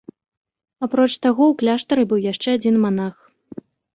Апроч таго, у кляштары быў яшчэ адзін манах.